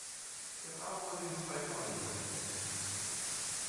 Der Bau wurde in zwei Phasen errichtet.